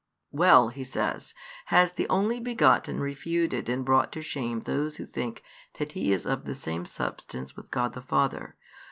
"Well," he says, "has the Only begotten refuted and brought to shame those who think that He is of the same Substance with God the Father.